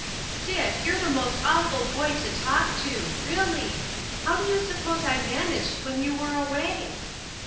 "Dick, you're the most awful boy to talk to—really! How do you suppose I managed when you were away?"